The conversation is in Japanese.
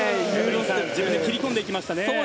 切り込んでいきましたね。